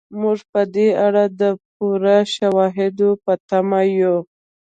موږ په دې اړه د پوره شواهدو په تمه یو.